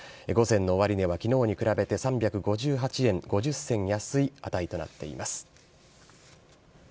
午前の終値はきのうに比べて３５８円５０銭安い値となっています。